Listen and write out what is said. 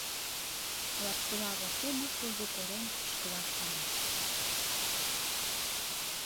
Лапсола воктене кужу корем кӱшкыла шуйна.